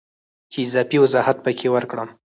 چې اضافي وضاحت پکې ورکړم